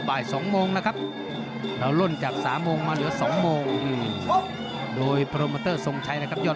บ่าย๒โมงนะครับ